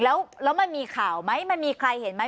แล้วมันมีข่าวไหมมันมีใครเห็นไหม